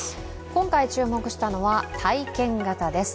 今回注目したのは、体験型です。